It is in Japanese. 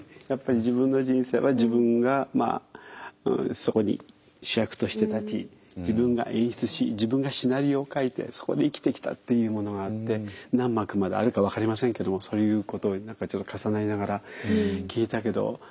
やっぱり自分の人生は自分がそこに主役として立ち自分が演出し自分がシナリオを書いてそこで生きてきたっていうものがあって何幕まであるか分かりませんけどもそういうこと何かちょっと重なりながら聞いたけど。